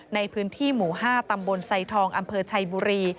ในพื้นที่หมู่๕ตำบลไซทองอำเภอชัยบุรี